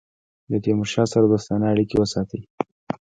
له تیمورشاه سره دوستانه اړېکي وساتي.